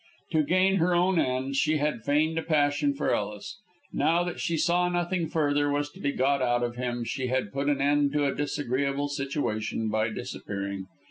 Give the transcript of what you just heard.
To gain her own ends she had feigned a passion for Ellis; now that she saw nothing further was to be got out of him she had put an end to a disagreeable situation by disappearing.